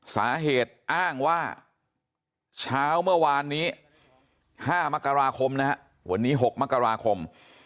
สาเหตุอ้างว่าเช้าเมื่อวานนี้๕มกราคมนะฮะวันนี้๖มกราคม